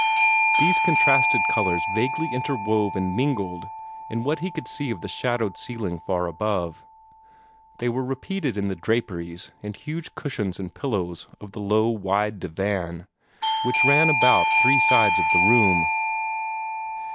These contrasted colors vaguely interwove and mingled in what he could see of the shadowed ceiling far above. They were repeated in the draperies and huge cushions and pillows of the low, wide divan which ran about three sides of the room.